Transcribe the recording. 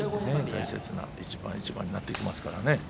大切な一番一番になってきますからね。